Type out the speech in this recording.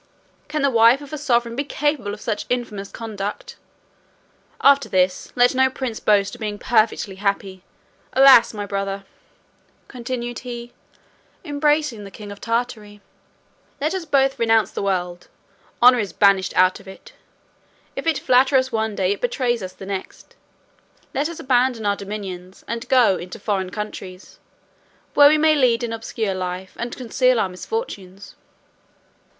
Can the wife of a sovereign be capable of such infamous conduct? After this, let no prince boast of being perfectly happy. Alas! my brother," continued he, embracing the king of Tartery, "let us both renounce the world, honour is banished out of it; if it flatter us one day, it betrays us the next. Let us abandon our dominions, and go into foreign countries, where we may lead an obscure life, and conceal our misfortunes."